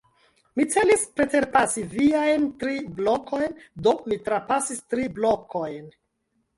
Mi celis preterpasi viajn tri blokojn; do, mi trapasis tri blokojn.